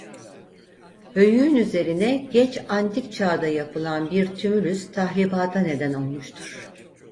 Höyüğün üzerine Geç Antik Çağ'da yapılan bir tümülüs tahribata neden olmuştur.